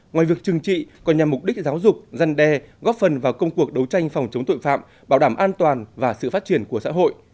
ngoài việc trừng trị còn nhằm mục đích giáo dục dân đe góp phần vào công cuộc đấu tranh phòng chống tội phạm bảo đảm an toàn và sự phát triển của xã hội